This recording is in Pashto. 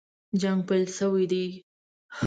جنګ پیل شوی دی.